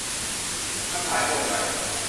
มันสายเกินไป